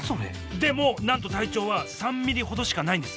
でもなんと体長は３ｍｍほどしかないんです。